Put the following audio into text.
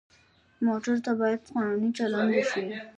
موټر ته باید قانوني چلند وشي.